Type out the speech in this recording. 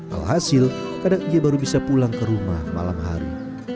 alhasil kadang ia baru bisa pulang ke rumah malam hari